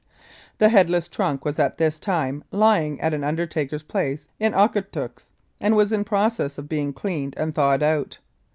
The headless trunk was at this time lying at an undertaker's place in Okotoks, and was in process of being cleaned and thawed out.